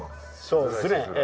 そうですねええ。